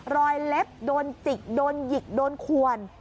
เล็บโดนจิกโดนหยิกโดนขวน